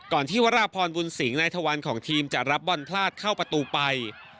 ก่อนที่วรรพรบุญสิงในทะวันของทีมจะรับบอลพลาดเข้าประตูไป